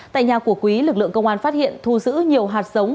tại nhà của quý lực lượng công an phát hiện thu giữ nhiều hạt giống